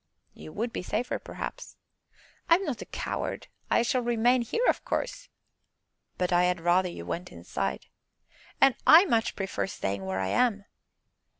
"You would be safer, perhaps." "I am not a coward. I shall remain here, of course." "But I had rather you went inside." "And I much prefer staying where I am."